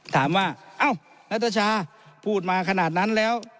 ถามว่าเอ้านัทชาพูดมาขนาดนั้นแล้ว